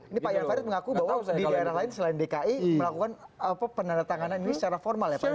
ini pak jan farid mengaku bahwa di daerah lain selain dki melakukan penandatanganan ini secara formal ya pak